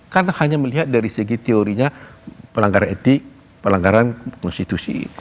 kan hanya melihat dari segi teorinya pelanggaran etik pelanggaran konstitusi